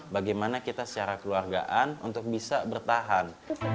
bagaimana kita secara keluargaan untuk bisa bertahan